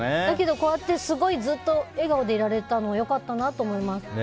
だけどこうやってずっと笑顔でいられたのは良かったなと思います。